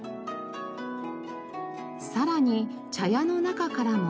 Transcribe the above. さらに茶屋の中からも。